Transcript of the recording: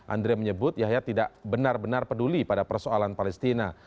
andre menyebut yahya tidak benar benar peduli pada persoalan palestina